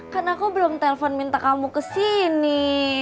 kan aku belum telpon minta kamu kesini